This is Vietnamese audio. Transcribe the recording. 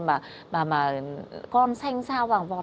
mà con xanh sao vàng vọt